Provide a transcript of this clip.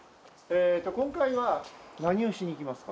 今回は何をしに行きますか？